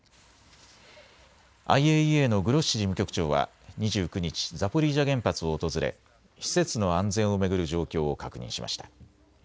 ＩＡＥＡのグロッシ事務局長は２９日、ザポリージャ原発を訪れ施設の安全を巡る状況を確認しました。